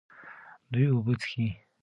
دوی اوبه څښي.